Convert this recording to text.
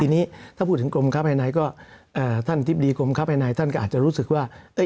ทีนี้ถ้าพูดถึงกรมค้าภายในก็ท่านอธิบดีกรมค้าภายในท่านก็อาจจะรู้สึกว่า